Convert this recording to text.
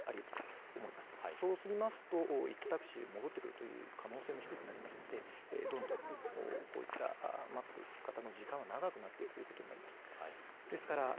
そうしますと行ったタクシーが戻ってくるという可能性も低くなりますので待つ方の時間は長くなっていくということになります。